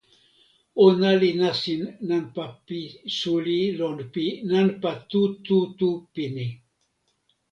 ona li nasin nanpa pi suli lon pi nanpa tu tu tu pini.